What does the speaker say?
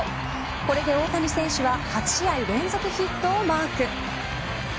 これで大谷選手は８試合連続ヒットをマーク。